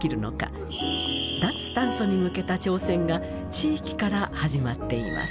脱炭素に向けた挑戦が地域から始まっています。